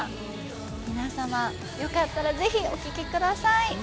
皆様、よかったらぜひお聞きください。